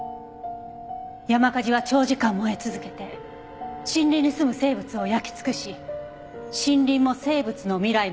山火事は長時間燃え続けて森林にすむ生物を焼き尽くし森林も生物の未来も破滅させるものです。